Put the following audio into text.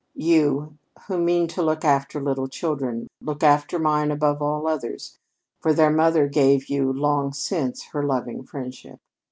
You, who mean to look after little children, look after mine above all others, for their mother gave you, long since, her loving friendship.